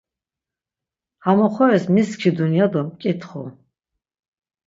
Ham oxoris mi skidun ya do mǩitxu.